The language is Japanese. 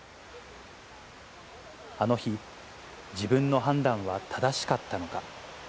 あの日、自分の判断は正しかったのか。